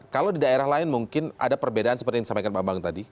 kalau di daerah lain mungkin ada perbedaan seperti yang disampaikan pak bambang tadi